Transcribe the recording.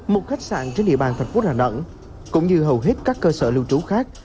một khách sạn trên địa bàn thành phố đà nẵng cũng như hầu hết các cơ sở lưu trú khác